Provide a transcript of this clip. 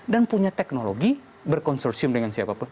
dan punya teknologi berkonsorsium dengan siapa pun